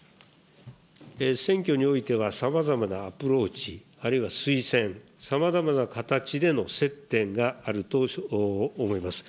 選挙においてはさまざまなアプローチ、あるいは推薦、さまざまな形での接点があると思います。